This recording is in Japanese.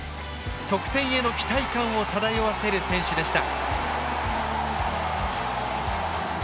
得点への期待感を漂わせる選手でした。